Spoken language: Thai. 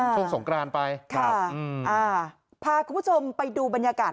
ช่วงสงกรานไปครับอ่าพาคุณผู้ชมไปดูบรรยากาศ